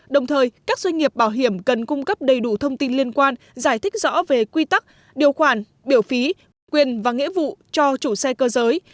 đồng thời các doanh nghiệp bảo hiểm cần cung cấp đầy đủ thông tin liên quan giải thích rõ về quy tắc điều khoản biểu phí quyền và nghĩa vụ cho chủ xe cơ giới